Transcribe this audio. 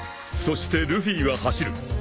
［そしてルフィは走る］